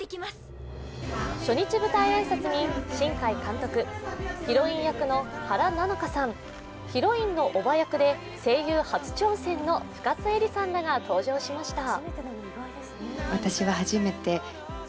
初日舞台挨拶に新海監督、ヒロイン役の原菜乃華さん、ヒロイン叔母役で声優初挑戦の深津絵里さんが登場しました。